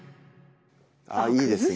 あっいいですね